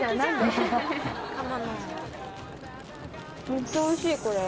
めっちゃおいしい！